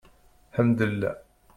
Ḥemddulah.